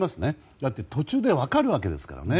だって途中で分かるわけですからね。